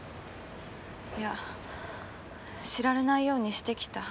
いや知られないようにしてきた。